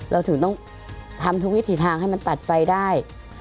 เราถึงต้องทำทุกวิถีทางให้มันตัดไฟได้